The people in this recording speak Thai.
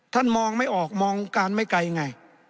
ท่านมองไม่ออกมองการไม่ไกลอย่างไร